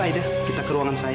aida kita ke ruangan saya